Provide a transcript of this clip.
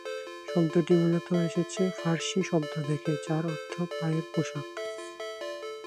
শব্দটি মূলত এসেছে ফার্সি শব্দ থেকে, যার অর্থ ‘পায়ের পোশাক’।